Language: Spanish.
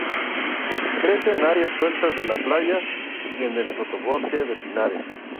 Crece en arenas sueltas de las playas y en el sotobosque de pinares.